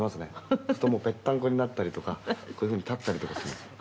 「そうするとぺったんこになったりとかこういうふうに立ったりとかするんですよ」